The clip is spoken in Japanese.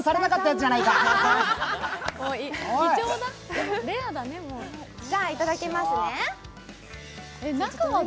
じゃあいただきますね。